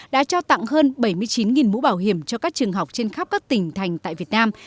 đã trao tặng hơn bảy mươi chín mũ bảo hiểm cho các trường học trên khắp các tỉnh thành tại việt nam